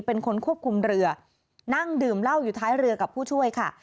เป็นคนควบคุมเรือนั่งดื่มเหล้าอยู่ท้ายเรือกับผู้ช่วยค่ะ